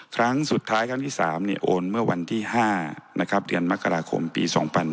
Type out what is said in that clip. ครั้งสุดท้ายครั้งที่๓โอนเมื่อวันที่๕เดือนมกราคมปี๒๕๕๙